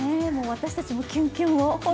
私たちのキュンキュンを。